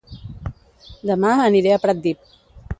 Dema aniré a Pratdip